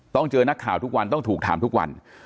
เจอนักข่าวทุกวันต้องถูกถามทุกวัน